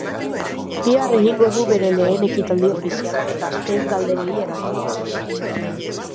Bihar egingo du bere lehen ekitaldi ofiziala gazteen galderei erantzunez.